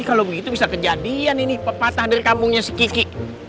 ih kalau begitu bisa kejadian ini patah dari kampungnya si kiki